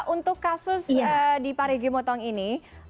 untuk kasus di pari gimotong ini